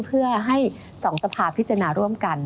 เพื่อให้๒สภาพิจารณาร่วมกัน